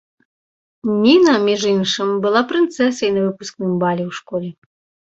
Ніна, між іншым, была прынцэсай на выпускным балі ў школе.